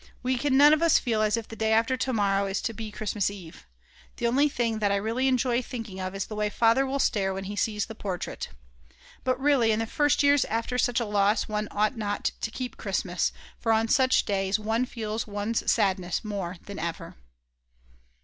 We can none of us feel as if the day after to morrow is to be Christmas Eve. The only thing that I really enjoy thinking of is the way Father will stare when he sees the portrait. But really in the first years after such a loss one ought not to keep Christmas, for on such days one feels one's sadness more than ever.